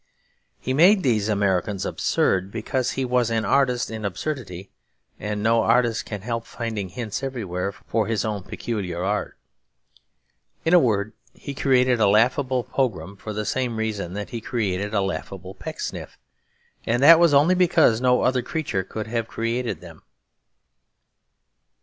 He made these Americans absurd because he was an artist in absurdity; and no artist can help finding hints everywhere for his own peculiar art. In a word, he created a laughable Pogram for the same reason that he created a laughable Pecksniff; and that was only because no other creature could have created them.